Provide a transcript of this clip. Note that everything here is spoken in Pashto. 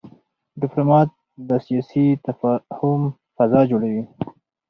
ډيپلومات د سیاسي تفاهم فضا جوړوي.